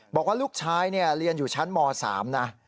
บอกว่าลูกชายเรียนอยู่ชั้นม๓นะ